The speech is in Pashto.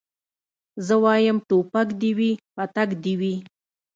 زه وايم ټوپک دي وي پتک دي وي